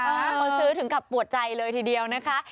คนซื้อถึงกับปวดใจเลยทีเดียวนะคะ